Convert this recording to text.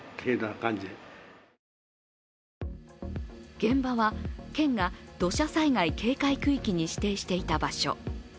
現場は、県が土砂災害警戒区域に指定していた場所。